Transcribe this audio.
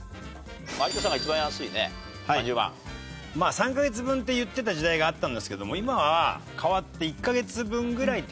３カ月分って言ってた時代があったんですけども今は変わって。